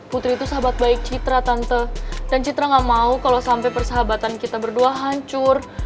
putri itu sahabat baik citra tante dan citra gak mau kalau sampai persahabatan kita berdua hancur